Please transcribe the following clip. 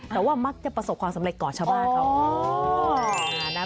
แต่ว่ามักจะประสบความสำเร็จต่อชาวบ้านเขา